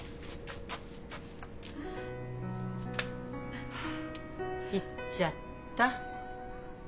あ行っちゃった。